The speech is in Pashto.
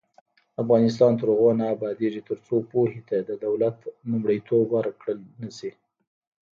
افغانستان تر هغو نه ابادیږي، ترڅو پوهې ته د دولت لومړیتوب ورکړل نشي.